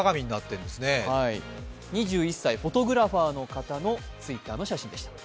２１歳・フォトグラファーの方のＴｗｉｔｔｅｒの写真でした。